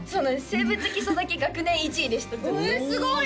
生物基礎だけ学年１位でしたえすごい！